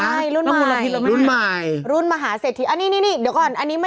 ใช่รุ่นใหม่รุ่นใหม่รุ่นมาหาเศรษฐีอันนี้